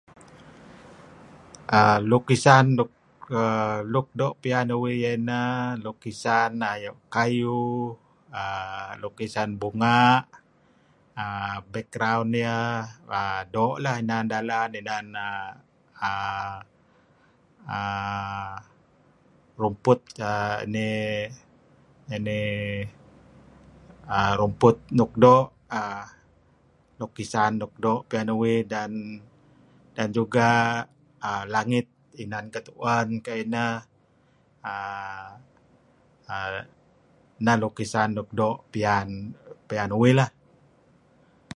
Aaa... lukisan luk err... luk doo' pian uih ieh ineh... lukisan ayu' kayuh..., aaa... lukisan bunga'..., aaa... background ieh aaa... doo' leh. Inan dalan ieh, inan aaa... aaa... aaa... rumput... aaa... inih... inih... aaa... rumput nuk aaa... doo' pian uih dan juga langit, inan teh getu'en kayu' ineh. aaa... neh lukisan luk doo' nuk doo' pian uih lah.